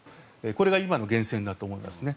これが今の源泉になると思いますね。